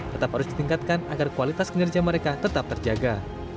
tetap harus ditingkatkan agar kualitas kinerja mereka tetap terjaga